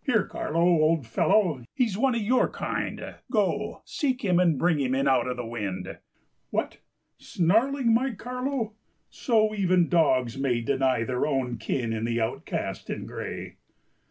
Here, Carlo, old fellow, he's one of your kind, Go, seek him, and bring him in out of the wind. What! snarling, my Carlo! So even dogs may Deny their own kin in the outcast in gray.